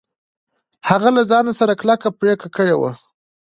هغه له ځان سره کلکه پرېکړه کړې وه.